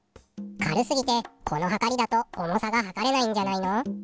軽すぎてこのはかりだと重さが量れないんじゃないの？